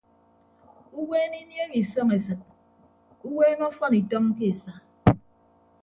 Uweene iniehe isọñ esịt uweene ọfọn itọñ ke esa.